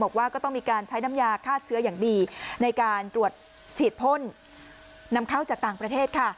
บอกว่าก็ต้องมีการใช้น้ำยาฆ่าเชื้ออย่างดีในการตรวจฉีดพ่นนำเข้าจากต่างประเทศค่ะ